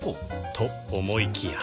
と思いきや